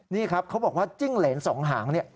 นี่ครับเขาบอกว่าจิ้งเหรนสองหางเนี่ย